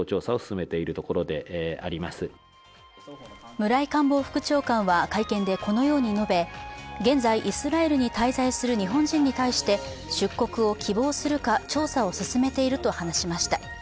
村井官房副長官は会見でこのように述べ現在、イスラエルに滞在する日本人に対して出国を希望するか調査を進めていると話しました。